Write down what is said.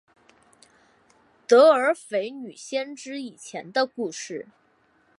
德尔斐女先知以前的故事。